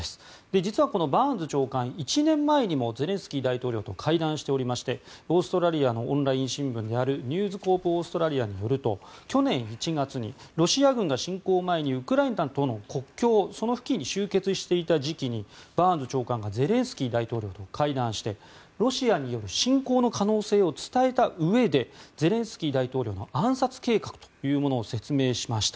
実はこのバーンズ長官１年前にもゼレンスキー大統領と会談しておりましてオーストラリアのオンライン新聞ニューズコープオーストラリアによると去年１月にロシア軍が侵攻を前にウクライナとの国境その付近に集結していた時期にバーンズ長官がゼレンスキー大統領と会談してロシアによる侵攻の可能性を伝えたうえでゼレンスキー大統領の暗殺計画というものを説明しました。